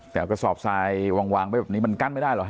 แต่กระสอบทรายวางมันกั้นไม่ได้เหรอ